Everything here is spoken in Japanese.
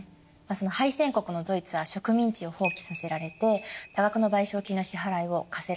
敗戦国のドイツは植民地を放棄させられて多額の賠償金の支払いを課せられたんでしたよね。